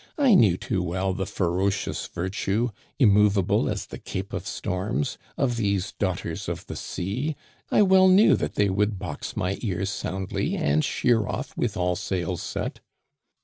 I knew too well the ferocious virtue, immovable as the Cape of Storms, of these daugh ters of the sea. I well knew that they would box my ears soundly and sheer off with all sails set."